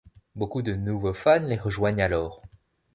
Beaucoup de nouveaux fans les rejoignent alors.